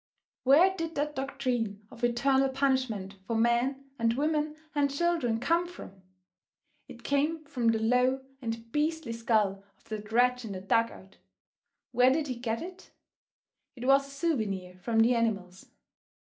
Where did that doctrine of eternal punishment for men and women and children come from? It came from the low and beastly skull of that wretch in the dug out. Where did he get it? It was a souvenir from the animals.